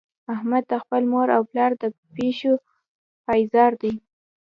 احمد د خپل مور او پلار د پښو پایزار دی.